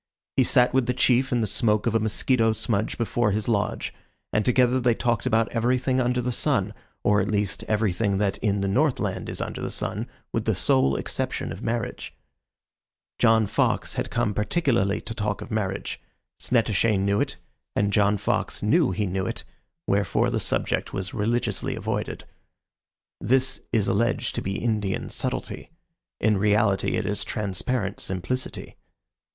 He sat with the chief in the smoke of a mosquito smudge before his lodge, and together they talked about everything under the sun, or, at least, everything that in the Northland is under the sun, with the sole exception of marriage. John Fox had come particularly to talk of marriage; Snettishane knew it, and John Fox knew he knew it, wherefore the subject was religiously avoided. This is alleged to be Indian subtlety. In reality it is transparent simplicity.